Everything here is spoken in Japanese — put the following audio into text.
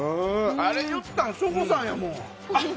あれ言ったの省吾さんやもん。